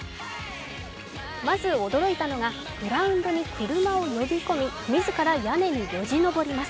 まず驚いたのがグラウンドに車を呼び込み自ら屋根によじ登ります。